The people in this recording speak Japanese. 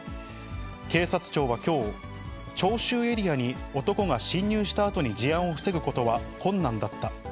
警察庁はきょう、聴衆エリアに男が侵入したあとに事案を防ぐことは困難だった。